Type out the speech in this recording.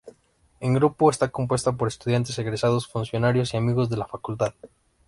El grupo está compuesto por estudiantes, egresados, funcionarios y amigos de la facultad.